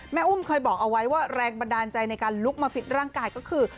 อุ้มเคยบอกเอาไว้ว่าแรงบันดาลใจในการลุกมาฟิตร่างกายก็คือ